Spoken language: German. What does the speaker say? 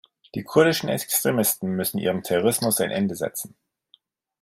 Die kurdischen Extremisten müssen ihrem Terrorismus ein Ende setzen.